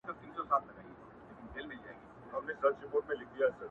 ډيره مننه مهربان شاعره،